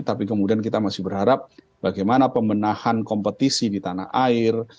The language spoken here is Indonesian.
tapi kemudian kita masih berharap bagaimana pembenahan kompetisi di tanah air